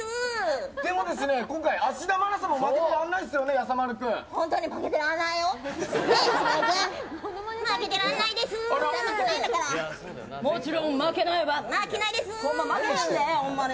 今回、芦田愛菜さんも負けてられないですよね。